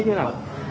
tất nhiên là